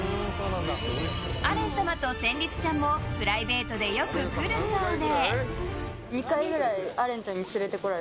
アレン様と戦慄ちゃんもプライベートでよく来るそうで。